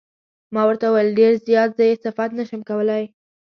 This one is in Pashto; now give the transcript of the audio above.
ما ورته وویل: ډېر زیات، زه یې صفت نه شم کولای.